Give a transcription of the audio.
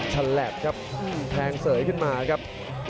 ฉลับครับแทงเสยขึ้นมาครับ